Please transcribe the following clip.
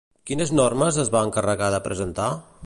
Quines normes es va encarregar de presentar?